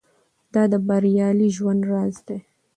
دا د بریالي ژوند راز دی.